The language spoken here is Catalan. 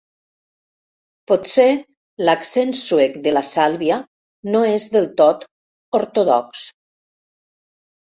Potser l'accent suec de la Sàlvia no és del tot ortodox.